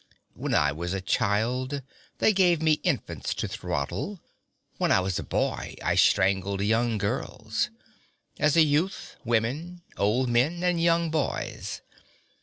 When I was a child they gave me infants to throttle; when I was a boy I strangled young girls; as a youth, women, old men and young boys.